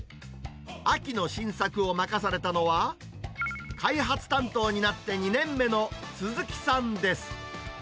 秋の新作を任されたのは、開発担当になって２年目の鈴木さんです。